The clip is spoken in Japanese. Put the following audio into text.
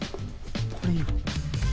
これいいわ。